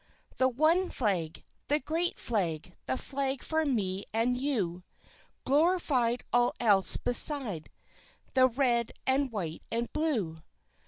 The one flag the great flag the flag for me and you Glorified all else beside the red and white and blue!